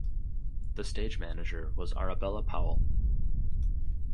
The Stage Manager was Arabella Powell.